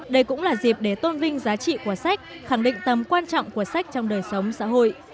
đây cũng là dịp để tôn vinh giá trị của sách khẳng định tầm quan trọng của sách trong đời sống xã hội